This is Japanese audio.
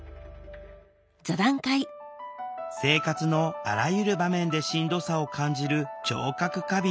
生活のあらゆる場面でしんどさを感じる聴覚過敏。